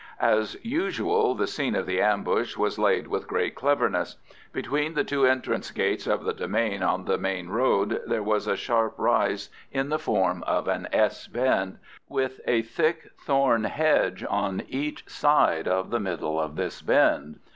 As usual, the scene of the ambush was laid with great cleverness. Between the two entrance gates of the demesne on the main road there was a sharp rise in the form of an S bend, with a thick thorn hedge on each side of the middle of this bend.